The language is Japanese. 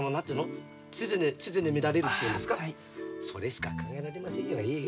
それしか考えられませんよ。